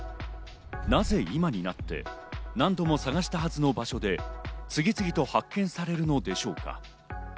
なぜ今になって、何度も捜したはずの場所で、次々と発見されるのでしょうか。